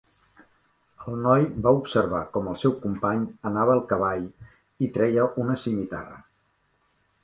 El noi va observar com el seu company anava al cavall i treia una simitarra.